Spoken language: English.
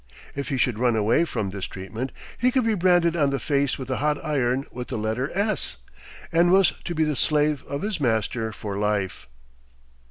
If he should run away from this treatment, he could be branded on the face with a hot iron with the letter S, and was to be the slave of his master for life.